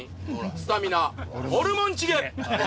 スタミナホルモンチゲ！